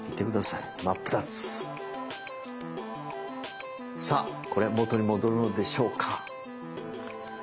さあこれ元に戻るのでしょうか？